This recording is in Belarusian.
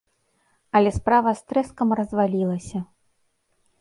Але справа з трэскам развалілася!